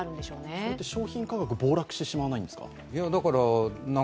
それは商品価格暴落してしまわないんですか。